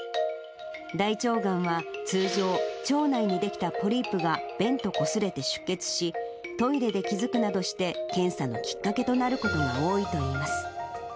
大腸がんは通常、腸内に出来たポリープが便とこすれて出血し、トイレで気付くなどして検査のきっかけとなることが多いといいます。